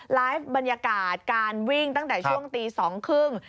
ไลฟ์บรรยากาศการวิ่งตั้งแต่ช่วงตีสองครึ่ง